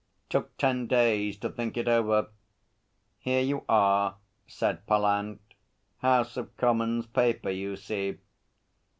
'Took ten days to think it over. Here you are,' said Pallant. 'House of Commons paper, you see.'